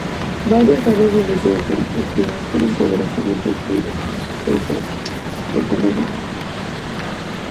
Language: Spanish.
Varias áreas de investigación activa fueron poderosamente influidas por sus "papers" económicos.